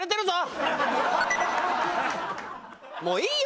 もういいよ！